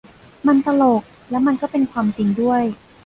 มันตลกและมันก็เป็นความจริงด้วย